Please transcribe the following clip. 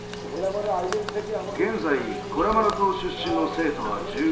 現在ゴラマラ島出身の生徒は１５人。